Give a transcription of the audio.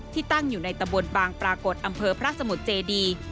ตั้งอยู่ในตะบนบางปรากฏอำเภอพระสมุทรเจดี